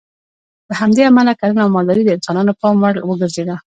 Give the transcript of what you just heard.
له همدې امله کرنه او مالداري د انسانانو پام وړ وګرځېده.